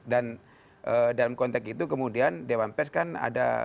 dan dalam konteks itu kemudian dewan pers kan ada